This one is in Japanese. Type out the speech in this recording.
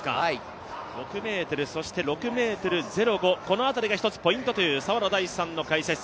６ｍ、そして６ｍ０５、この辺りが１つポイントという澤野大地さんの解説。